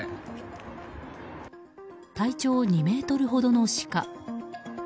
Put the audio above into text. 体長２ｍほどのシカ。